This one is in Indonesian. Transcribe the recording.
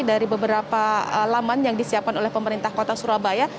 dari beberapa laman yang disiapkan oleh pemerintah kota surabaya